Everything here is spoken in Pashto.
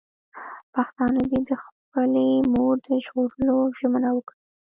پښتانه دې د خپلې مور د ژغورلو ژمنه وکړي.